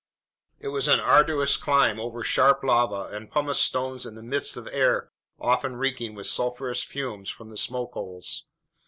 It was an arduous climb over sharp lava and pumice stones in the midst of air often reeking with sulfurous fumes from the smoke holes.